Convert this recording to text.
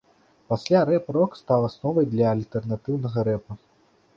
Пасля рэп-рок стаў асновай для альтэрнатыўнага рэпа.